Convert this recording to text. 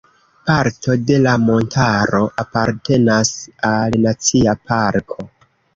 Parto de la montaro apartenas al Nacia parko.